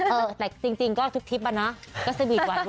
เออแต่จริงก็ทุกทริปอ่ะนะก็สวีทหวานเว้อ